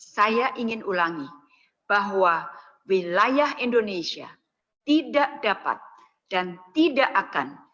saya ingin ulangi bahwa wilayah indonesia tidak dapat dan tidak akan